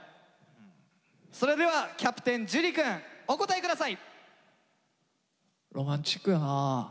それではキャプテン樹くんお答え下さい。